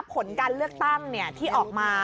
ผลการเลือกตั้งที่ออกมา